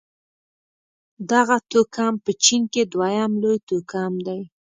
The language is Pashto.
دغه توکم په چين کې دویم لوی توکم دی.